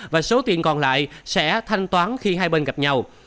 và số tiền còn lại sẽ thanh toán khi hai bên gặp nhau